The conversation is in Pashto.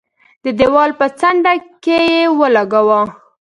د دېوال په څنډه کې ولګاوه.